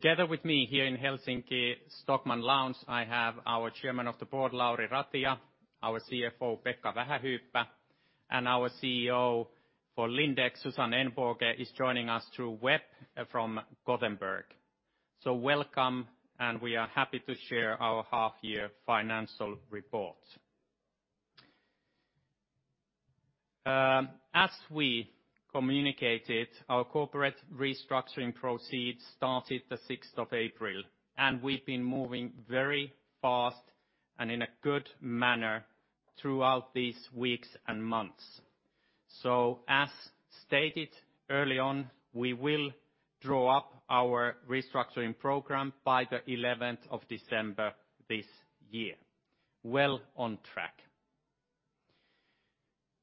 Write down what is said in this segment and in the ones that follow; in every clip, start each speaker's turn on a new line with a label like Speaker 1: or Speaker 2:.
Speaker 1: Together with me here in Helsinki, Stockmann Lounge, I have our Chairman of the Board, Lauri Ratia, our CFO, Pekka Vähähyyppä, and our CEO for Lindex, Susanne Ehnbåge, is joining us through web from Gothenburg. Welcome, and we are happy to share our half-year financial report. As we communicated, our corporate restructuring proceeds started the 6th of April, and we've been moving very fast and in a good manner throughout these weeks and months. As stated early on, we will draw up our restructuring program by the 11th of December this year. Well on track.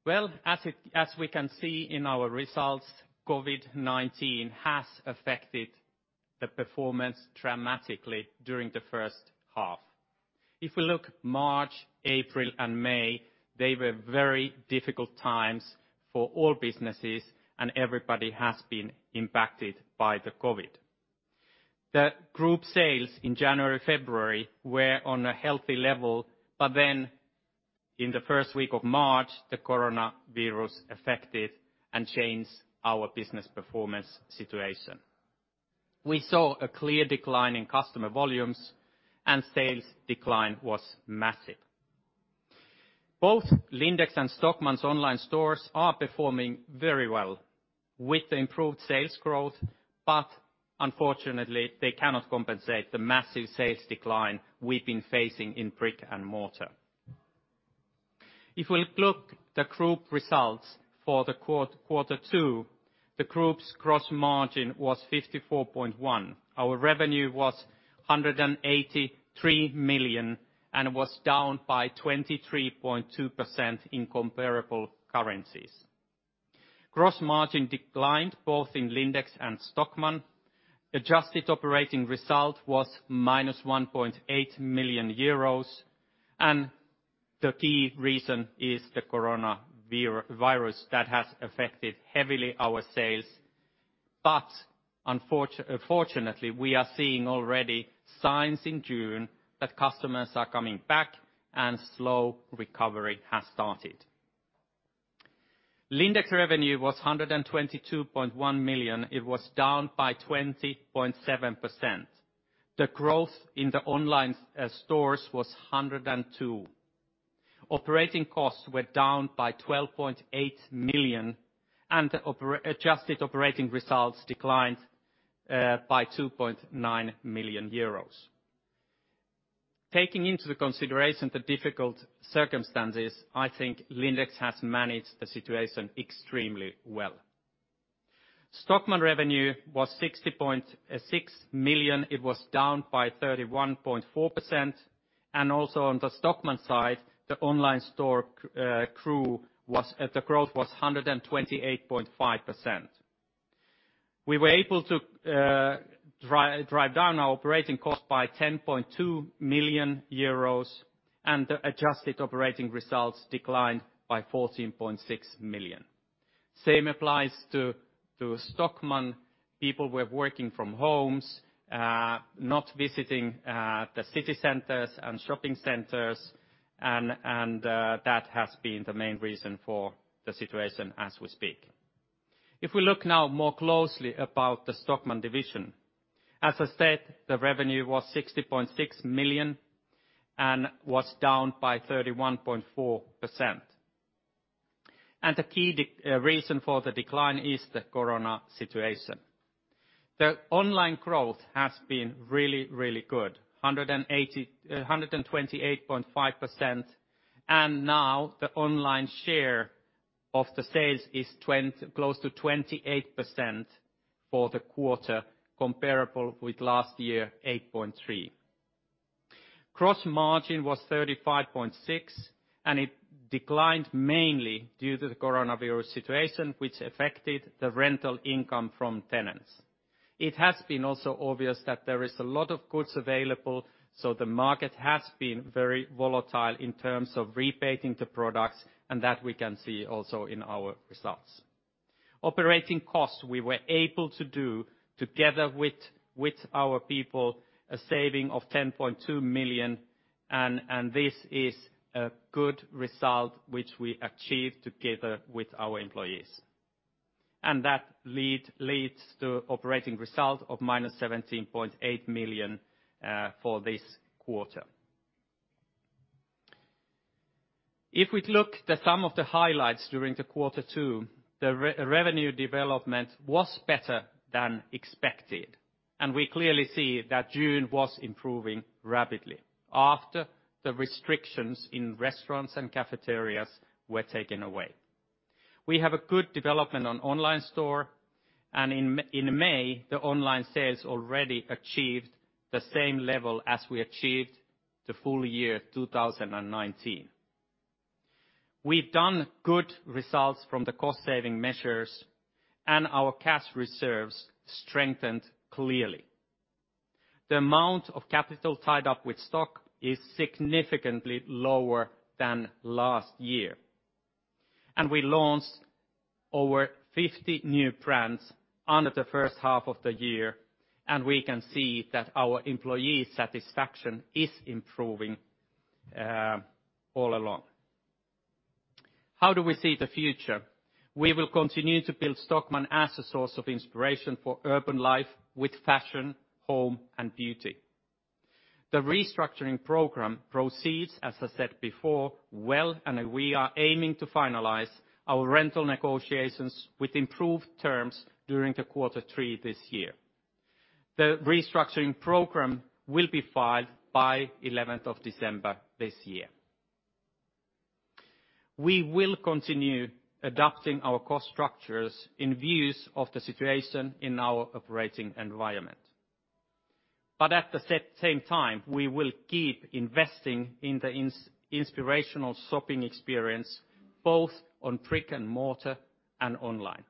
Speaker 1: Well, as we can see in our results, COVID-19 has affected the performance dramatically during the first half. If we look March, April, and May, they were very difficult times for all businesses, and everybody has been impacted by the COVID. The group sales in January, February were on a healthy level. In the first week of March, the coronavirus affected and changed our business performance situation. We saw a clear decline in customer volumes. Sales decline was massive. Both Lindex and Stockmann's online stores are performing very well with the improved sales growth. Unfortunately, they cannot compensate the massive sales decline we've been facing in brick-and-mortar. If we look the group results for the quarter two, the group's gross margin was 54.1%. Our revenue was 183 million and was down by 23.2% in comparable currencies. Gross margin declined both in Lindex and Stockmann. Adjusted operating result was minus 1.8 million euros, the key reason is the coronavirus that has affected heavily our sales. Fortunately, we are seeing already signs in June that customers are coming back and slow recovery has started. Lindex revenue was 122.1 million. It was down by 20.7%. The growth in the online stores was 102%. Operating costs were down by 12.8 million, and the adjusted operating results declined by 2.9 million euros. Taking into the consideration the difficult circumstances, I think Lindex has managed the situation extremely well. Stockmann revenue was 60.6 million. It was down by 31.4%. Also on the Stockmann side, the online store growth was 128.5%. We were able to drive down our operating cost by 10.2 million euros, and the adjusted operating results declined by 14.6 million. Same applies to Stockmann. People were working from homes, not visiting the city centers and shopping centers, and that has been the main reason for the situation as we speak. If we look now more closely about the Stockmann division, as I said, the revenue was 60.6 million and was down by 31.4%. The key reason for the decline is the corona situation. The online growth has been really good, 128.5%, and now the online share of the sales is close to 28% for the quarter comparable with last year, 8.3%. Gross margin was 35.6%. It declined mainly due to the COVID-19 situation, which affected the rental income from tenants. It has been also obvious that there is a lot of goods available, so the market has been very volatile in terms of repricing the products, and that we can see also in our results. Operating costs, we were able to do together with our people, a saving of 10.2 million, and this is a good result which we achieved together with our employees. That leads to operating result of -17.8 million for this quarter. If we'd look the some of the highlights during Q2, the revenue development was better than expected. We clearly see that June was improving rapidly after the restrictions in restaurants and cafeterias were taken away. We have a good development on online store. In May, the online sales already achieved the same level as we achieved the full year 2019. We've done good results from the cost saving measures. Our cash reserves strengthened clearly. The amount of capital tied up with stock is significantly lower than last year. We launched over 50 new brands under the first half of the year, and we can see that our employee satisfaction is improving all along. How do we see the future? We will continue to build Stockmann as a source of inspiration for urban life with fashion, home, and beauty. The restructuring program proceeds, as I said before, well. We are aiming to finalize our rental negotiations with improved terms during the quarter three this year. The restructuring program will be filed by 11th of December this year. We will continue adapting our cost structures in views of the situation in our operating environment. At the same time, we will keep investing in the inspirational shopping experience, both on brick-and-mortar and online.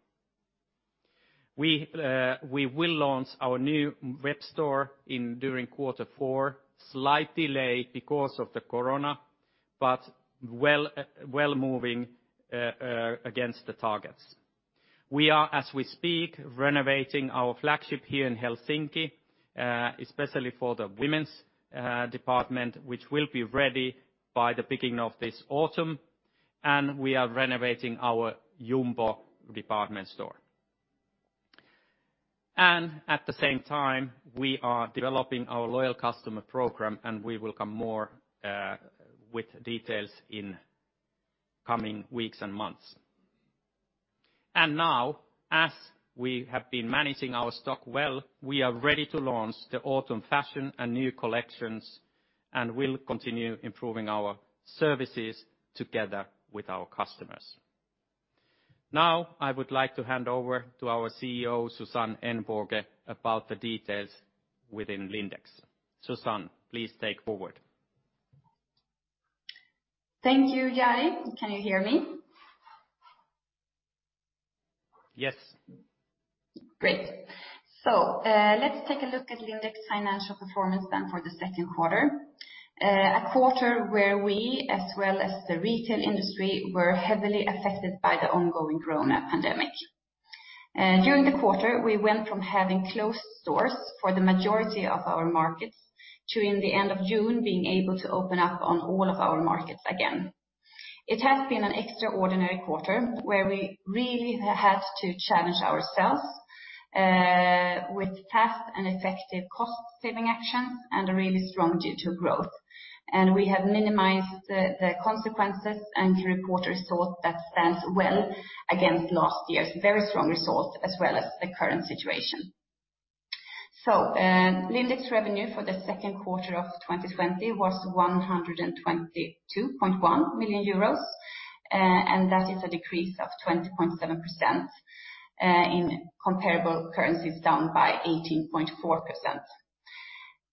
Speaker 1: We will launch our new web store during Q4, slight delay because of the corona, but well moving against the targets. We are, as we speak, renovating our flagship here in Helsinki, especially for the women's department, which will be ready by the beginning of this autumn, and we are renovating our Jumbo department store. At the same time, we are developing our loyal customer program, and we will come more with details in coming weeks and months. Now, as we have been managing our stock well, we are ready to launch the autumn fashion and new collections, and we'll continue improving our services together with our customers. Now, I would like to hand over to our CEO, Susanne Ehnbåge, about the details within Lindex. Susanne, please take forward.
Speaker 2: Thank you, Jari. Can you hear me?
Speaker 1: Yes.
Speaker 2: Great. Let's take a look at Lindex financial performance then for the second quarter. A quarter where we, as well as the retail industry, were heavily affected by the ongoing COVID-19 pandemic. During the quarter, we went from having closed stores for the majority of our markets to in the end of June being able to open up on all of our markets again. It has been an extraordinary quarter where we really had to challenge ourselves with fast and effective cost saving action and a really strong digital growth. We have minimized the consequences and the quarter result that stands well against last year's very strong results, as well as the current situation. Lindex revenue for the second quarter of 2020 was 122.1 million euros, that is a decrease of 20.7%, in comparable currencies down by 18.4%.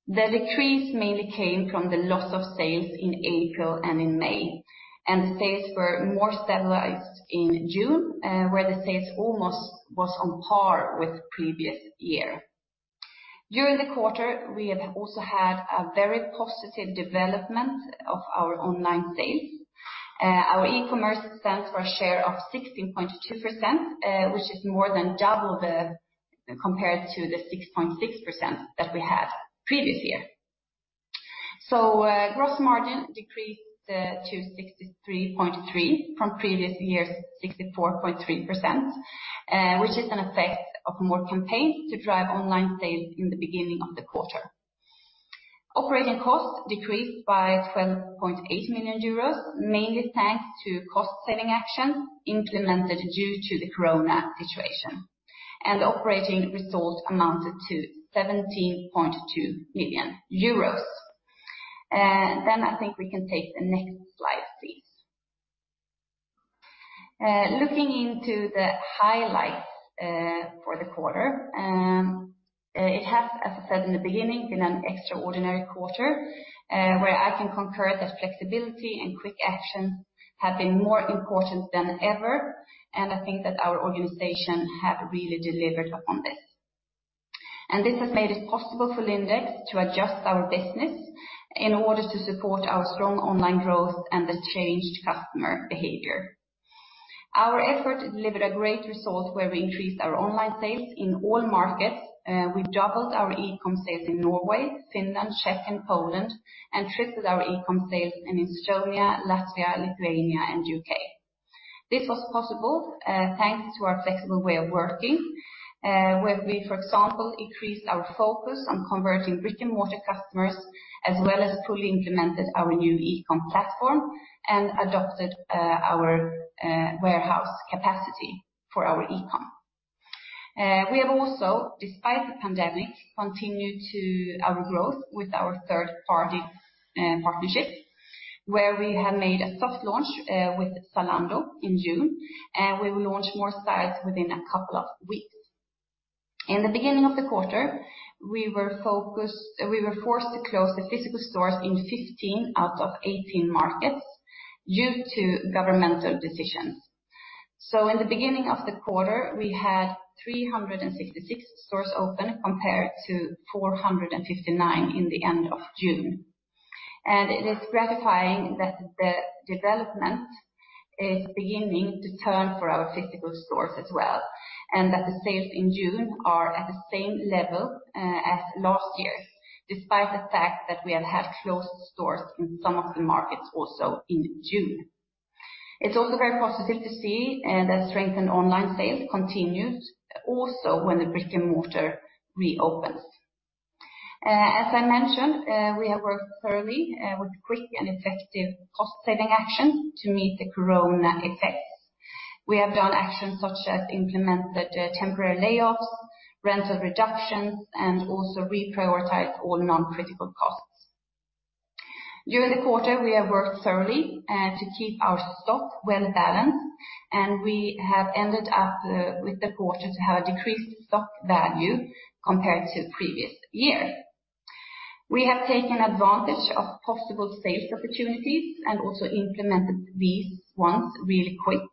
Speaker 2: The decrease mainly came from the loss of sales in April and in May. Sales were more stabilized in June, where the sales almost was on par with previous year. During the quarter, we have also had a very positive development of our online sales. Our e-commerce stands for a share of 16.22%, which is more than double compared to the 6.6% that we had previous year. Gross margin decreased to 63.3 from previous year's 64.3%, which is an effect of more campaigns to drive online sales in the beginning of the quarter. Operating costs decreased by 12.8 million euros, mainly thanks to cost saving actions implemented due to the COVID-19 situation. Operating results amounted to EUR 17.2 million. I think we can take the next slide, please. Looking into the highlights for the quarter, it has, as I said in the beginning, been an extraordinary quarter, where I can concur that flexibility and quick action have been more important than ever. I think that our organization have really delivered upon this. This has made it possible for Lindex to adjust our business in order to support our strong online growth and the changed customer behavior. Our effort delivered a great result where we increased our online sales in all markets. We doubled our e-com sales in Norway, Finland, Czech, and Poland, and tripled our e-com sales in Estonia, Latvia, Lithuania, and U.K. This was possible thanks to our flexible way of working, where we, for example, increased our focus on converting brick-and-mortar customers, as well as fully implemented our new e-com platform and adopted our warehouse capacity for our e-com. We have also, despite the pandemic, continued to our growth with our third-party partnership, where we have made a soft launch with Zalando in June, and we will launch more sites within a couple of weeks. In the beginning of the quarter, we were forced to close the physical stores in 15 out of 18 markets due to governmental decisions. In the beginning of the quarter, we had 366 stores open compared to 459 in the end of June. It is gratifying that the development is beginning to turn for our physical stores as well, and that the sales in June are at the same level as last year's, despite the fact that we have had closed stores in some of the markets also in June. It's also very positive to see that strengthened online sales continues also when the brick-and-mortar reopens. As I mentioned, we have worked thoroughly with quick and effective cost-saving action to meet the corona effects. We have done actions such as implemented temporary layoffs, rental reductions, and also reprioritized all non-critical costs. During the quarter, we have worked thoroughly to keep our stock well-balanced, and we have ended up with the quarter to have a decreased stock value compared to previous year. We have taken advantage of possible sales opportunities and also implemented these ones really quick,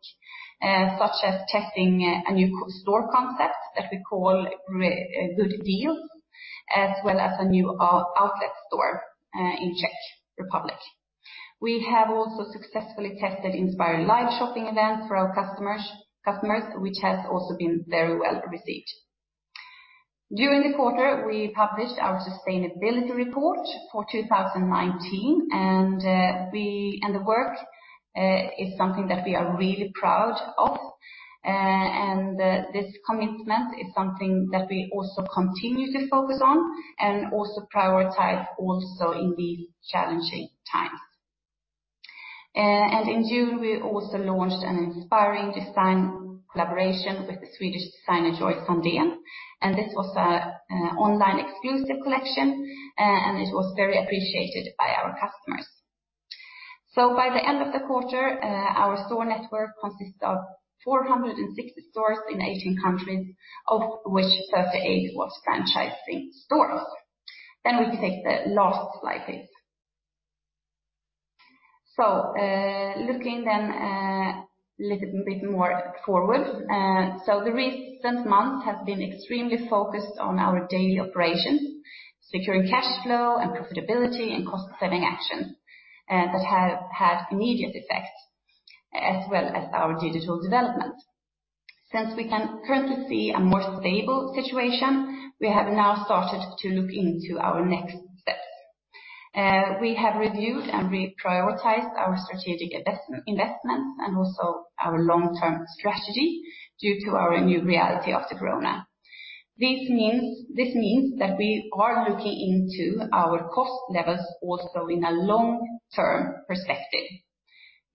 Speaker 2: such as testing a new co-store concept that we call Good Deals, as well as a new outlet store in Czech Republic. We have also successfully tested inspiring live shopping events for our customers, which has also been very well received. During the quarter, we published our sustainability report for 2019, and the work is something that we are really proud of. This commitment is something that we also continue to focus on and also prioritize also in these challenging times. In June, we also launched an inspiring design collaboration with the Swedish designer Johanna Sundén, and this was an online exclusive collection, and it was very appreciated by our customers. By the end of the quarter, our store network consists of 460 stores in 18 countries, of which 38 was franchising stores. We take the last slide, please. Looking then little bit more forward. The recent months have been extremely focused on our daily operations, securing cash flow and profitability and cost saving actions that have had immediate effects, as well as our digital development. Since we can currently see a more stable situation, we have now started to look into our next steps. We have reviewed and reprioritized our strategic investments and also our long-term strategy due to our new reality of the corona. This means that we are looking into our cost levels also in a long-term perspective.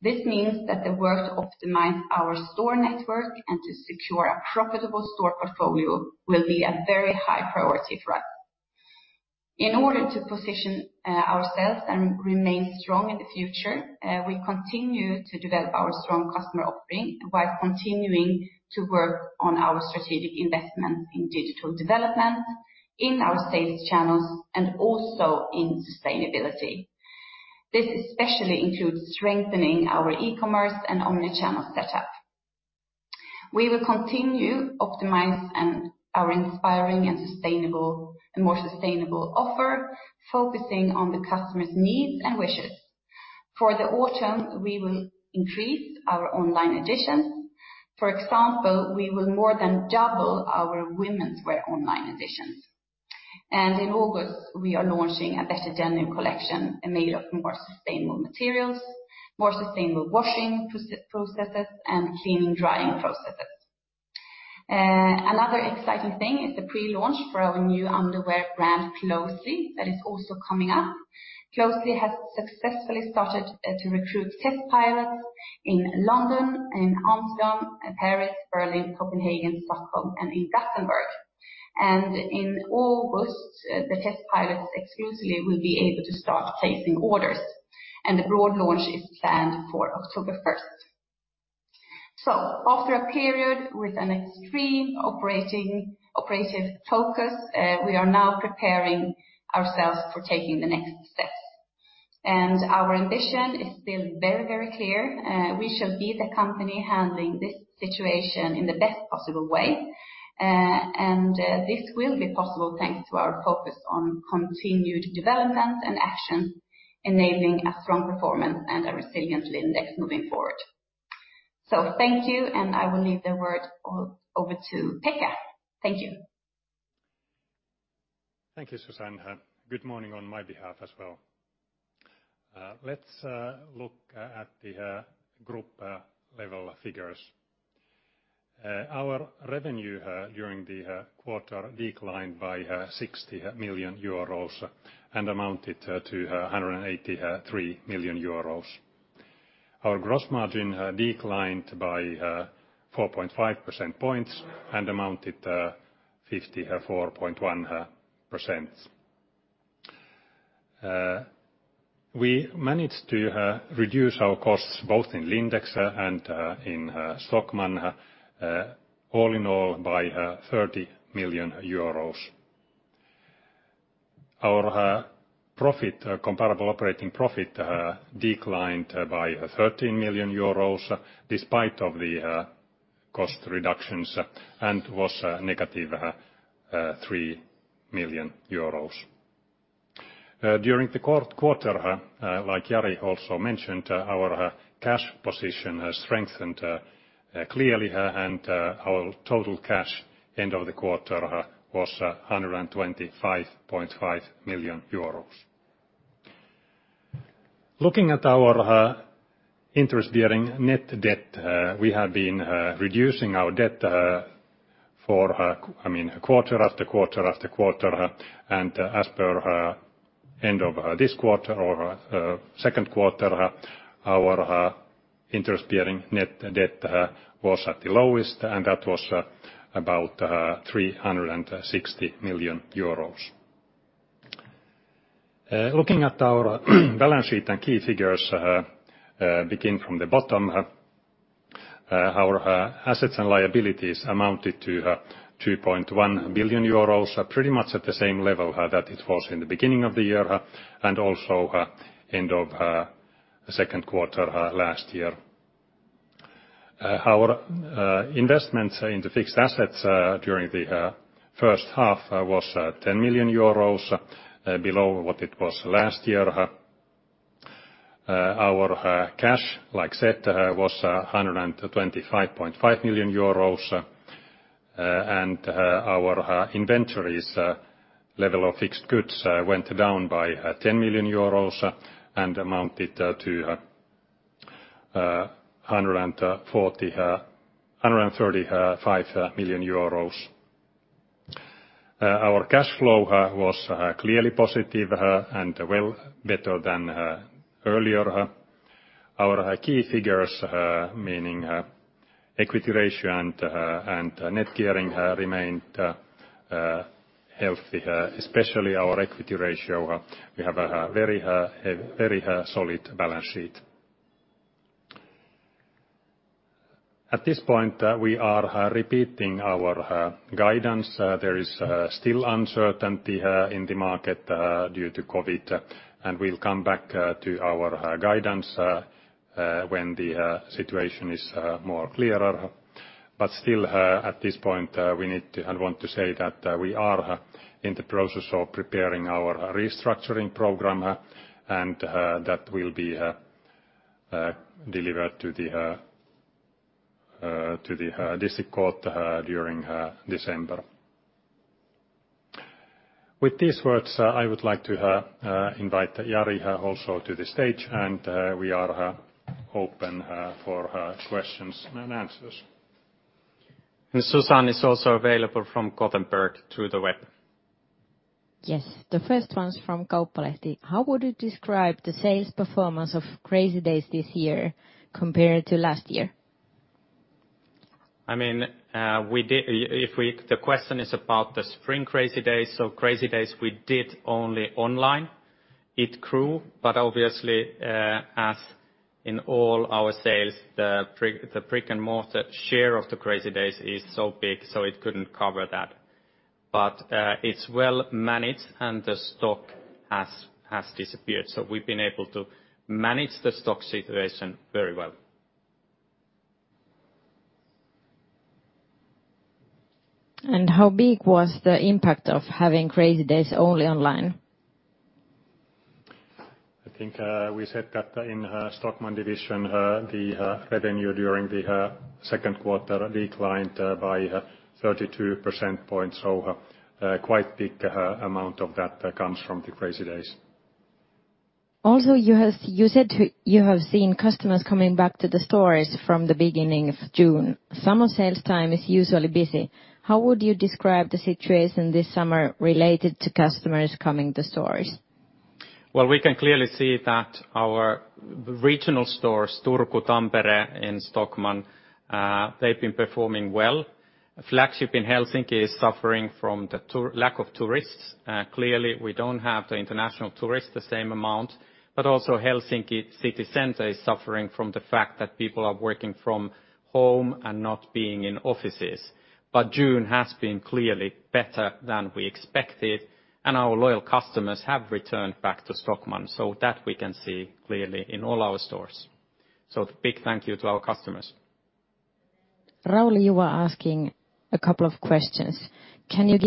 Speaker 2: This means that the work to optimize our store network and to secure a profitable store portfolio will be a very high priority for us. In order to position ourselves and remain strong in the future, we continue to develop our strong customer offering while continuing to work on our strategic investment in digital development, in our sales channels, and also in sustainability. This especially includes strengthening our e-commerce and omnichannel setup. We will continue optimize and our inspiring and a more sustainable offer, focusing on the customers' needs and wishes. For the autumn, we will increase our online additions. For example, we will more than double our womenswear online additions. In August, we are launching a better denim collection made of more sustainable materials, more sustainable washing processes, and clean drying processes. Another exciting thing is the pre-launch for our new underwear brand, Closely, that is also coming up. Closely has successfully started to recruit test pilots in London, in Amsterdam, Paris, Berlin, Copenhagen, Stockholm, and in Gothenburg. In August, the test pilots exclusively will be able to start placing orders, and the broad launch is planned for October first. After a period with an extreme operating, operative focus, we are now preparing ourselves for taking the next steps. Our ambition is still very, very clear. We shall be the company handling this situation in the best possible way. This will be possible thanks to our focus on continued development and action, enabling a strong performance and a resilient Lindex moving forward. Thank you, and I will leave the word over to Pekka. Thank you.
Speaker 3: Thank you, Susanne. Good morning on my behalf as well. Let's look at the group level figures. Our revenue during the quarter declined by 60 million euros and amounted to 183 million euros. Our gross margin declined by 4.5 percentage points and amounted 54.1%. We managed to reduce our costs both in Lindex and in Stockmann all in all by 30 million euros. Our profit, comparable operating profit, declined by 13 million euros despite of the corona-cost reductions and was negative 3 million euros. During the quarter, like Jari also mentioned, our cash position has strengthened clearly, and our total cash end of the quarter was 125.5 million euros. Looking at our interest-bearing net debt, we have been reducing our debt for, I mean, quarter after quarter after quarter. As per end of this quarter or second quarter, our interest-bearing net debt was at the lowest, and that was about 360 million euros. Looking at our balance sheet and key figures, begin from the bottom, our assets and liabilities amounted to 2.1 billion euros, pretty much at the same level that it was in the beginning of the year, and also end of second quarter last year. Our investments into fixed assets during the first half was 10 million euros below what it was last year. Our cash, like I said, was 125.5 million euros. Our inventories level of fixed goods went down by 10 million euros, and amounted to 135 million euros. Our cash flow was clearly positive and well better than earlier. Our key figures, meaning equity ratio and net gearing, remained healthy, especially our equity ratio. We have a very solid balance sheet. At this point, we are repeating our guidance. There is still uncertainty in the market due to COVID, and we'll come back to our guidance when the situation is more clearer. Still, at this point, we need to and want to say that we are in the process of preparing our restructuring program, and that will be delivered to the district court during December. With these words, I would like to invite Jari also to the stage. We are open for questions and answers.
Speaker 1: Susanne is also available from Gothenburg through the web.
Speaker 4: Yes. The first one's from Kauppalehti. How would you describe the sales performance of Crazy Days this year compared to last year?
Speaker 1: I mean, The question is about the spring Crazy Days, so Crazy Days we did only online. It grew. Obviously, as in all our sales, the brick-and-mortar share of the Crazy Days is so big, so it couldn't cover that. It's well managed, and the stock has disappeared. We've been able to manage the stock situation very well.
Speaker 4: How big was the impact of having Crazy Days only online?
Speaker 3: I think, we said that in Stockmann division, the revenue during the second quarter declined by 32 percentage points. A quite big amount of that comes from the Crazy Days.
Speaker 4: You said you have seen customers coming back to the stores from the beginning of June. Summer sales time is usually busy. How would you describe the situation this summer related to customers coming to stores?
Speaker 1: Well, we can clearly see that our regional stores, Turku, Tampere and Stockmann, they've been performing well. Flagship in Helsinki is suffering from the lack of tourists. Clearly, we don't have the international tourists the same amount, but also Helsinki city center is suffering from the fact that people are working from home and not being in offices. June has been clearly better than we expected, and our loyal customers have returned back to Stockmann. That we can see clearly in all our stores. A big thank you to our customers.
Speaker 4: Rauli, you were asking a couple of questions. Can you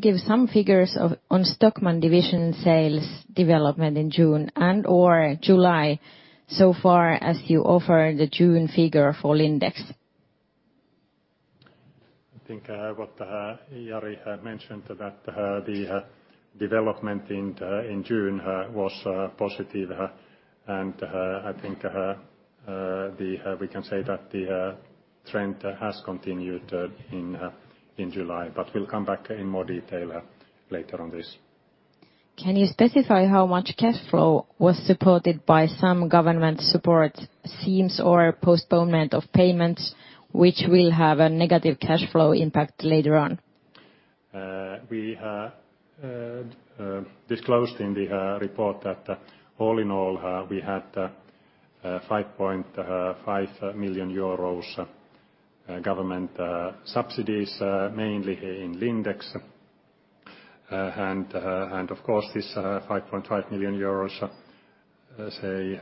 Speaker 4: give some figures of, on Stockmann division sales development in June and/or July, so far as you offer the June figure for Lindex?
Speaker 3: I think what Jari had mentioned, about the development in June, was positive. I think the we can say that the trend has continued in July. We'll come back in more detail later on this.
Speaker 4: Can you specify how much cashflow was supported by some government support schemes or postponement of payments which will have a negative cashflow impact later on?
Speaker 3: We disclosed in the report that all in all we had 5.5 million euros government subsidies mainly in Lindex. Of course this 5.5 million euros, let's say,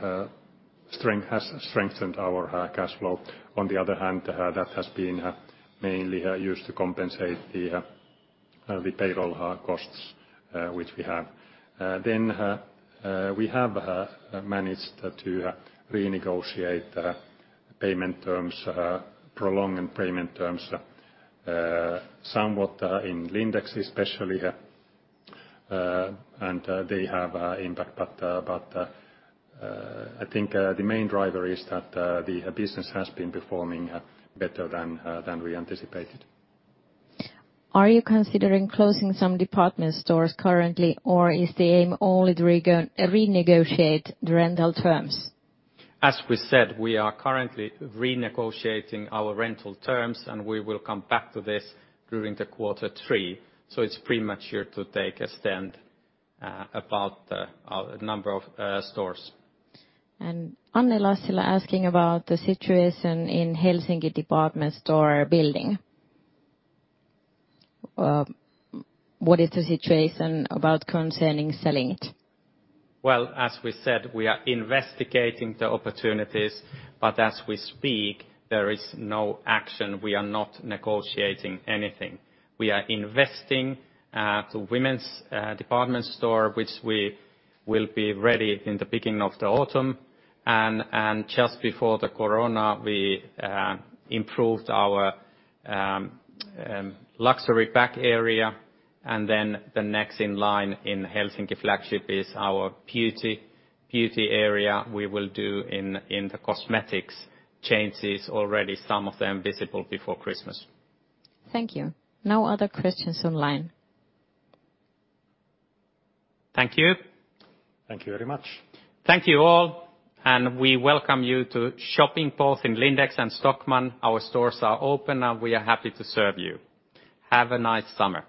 Speaker 3: strength has strengthened our cash flow. On the other hand, that has been mainly used to compensate the payroll costs which we have. Then, we have managed to renegotiate the payment terms, prolonging payment terms somewhat in Lindex especially, and they have impact. I think the main driver is that the business has been performing better than we anticipated.
Speaker 4: Are you considering closing some department stores currently, or is the aim only to renegotiate the rental terms?
Speaker 5: As we said, we are currently renegotiating our rental terms, and we will come back to this during the quarter three. It's premature to take a stand about our number of stores.
Speaker 4: Anssi Lassila asking about the situation in Helsinki department store building. What is the situation about concerning selling it?
Speaker 5: Well, as we said, we are investigating the opportunities, but as we speak, there is no action. We are not negotiating anything. We are investing at the women's department store, which we will be ready in the beginning of the autumn. Just before the corona, we improved our luxury back area. The next in line in Helsinki flagship is our beauty area we will do in the cosmetics changes, already some of them visible before Christmas.
Speaker 4: Thank you. No other questions online.
Speaker 5: Thank you.
Speaker 4: Thank you very much.
Speaker 5: Thank you, all, and we welcome you to shopping both in Lindex and Stockmann. Our stores are open, and we are happy to serve you. Have a nice summer